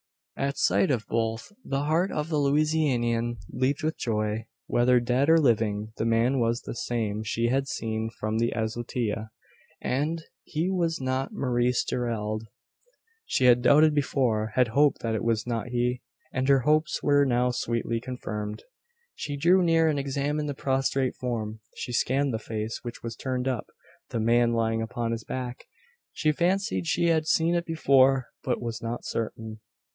At sight of both, the heart of the Louisianian leaped with joy. Whether dead or living, the man was the same she had seen from the azotea; and he was not Maurice Gerald. She had doubted before had hoped that it was not he; and her hopes were now sweetly confirmed. She drew near and examined the prostrate form. She scanned the face, which was turned up the man lying upon his back. She fancied she had seen it before, but was not certain.